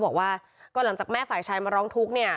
บอกว่าก็หลังจากแม่ฝ่ายชายมาร้องทุกข์เนี่ย